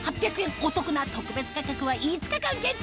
お得な特別価格は５日間限定